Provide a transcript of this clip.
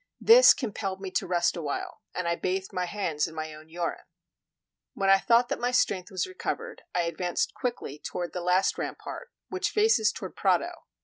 This compelled me to rest awhile, and I bathed my hands in my own urine. When I thought that my strength was recovered, I advanced quickly toward the last rampart, which faces toward Prato.